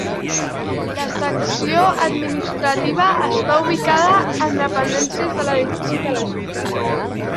La secció Administrativa està ubicada en dependències de l'edifici de l'Ajuntament.